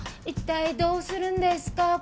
一体どうするんですか？